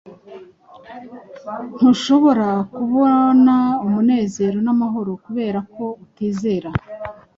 Ntushobora kubona umunezero n’amahoro kubera ko utizera.